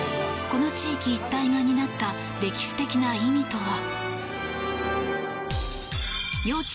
この地域一帯が担った歴史的な意味とは。